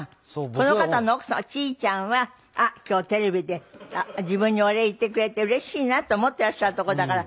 この方の奥様チーちゃんはあっ今日テレビで自分にお礼言ってくれてうれしいなと思っていらっしゃるとこだから。